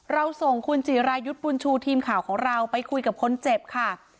เราส่งคุณจิรายุทธ์บุญชูทีมข่าวของเราไปคุยกับคนเจ็บค่ะ